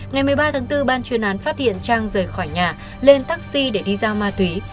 ngày một mươi ba tháng bốn ban chuyên án phát hiện trang rời khỏi nhà lên taxi để đi giao ma túy